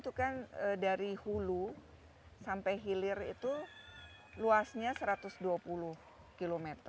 itu kan dari hulu sampai hilir itu luasnya satu ratus dua puluh km